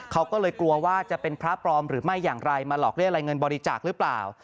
เขาก็เลยกลัวว่าจะเป็นพระปลอมหรือไม่อย่างไรมาหลอกเรียกอะไรเงินบริจาคหรือเปล่า